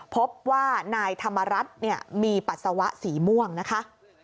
พบว่านายธรรมรัฐมีปัสสาวะสีม่วงนะคะ